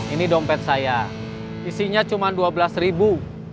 ini dompet saya isinya cuma dua belas ribu